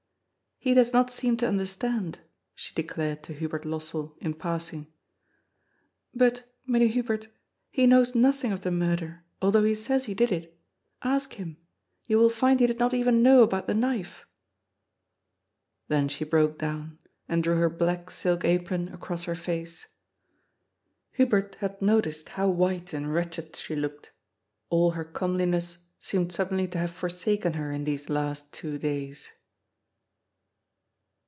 " He does not seem to understand,'' she declared to Hubert Los sell in passing. " But, Mynheer Hubert, he knows nothing of the murder, although he says he did it. Ask him ; you will find he did not even know about the knife." Then she broke down, and drew her black silk apron across her face. Hubert had noticed how white and wretched she looked. All her comeliness seemed suddenly to have forsaken her in these last two days.